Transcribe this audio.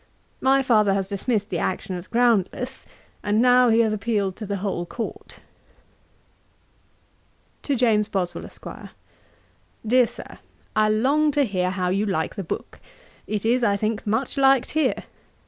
My father has dismissed the action as groundless, and now he has appealed to the whole Court.' 'TO JAMES BOSWELL, ESQ. 'DEAR SIR, 'I long to hear how you like the book; it is, I think, much liked here.